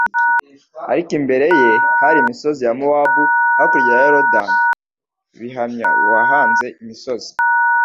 ariko imbere ye hari imisozi ya Mowabu, hakurya ya Yorodani, bihamya uwahanze imisozi